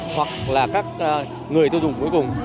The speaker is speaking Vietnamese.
hoặc là các người tiêu dùng cuối cùng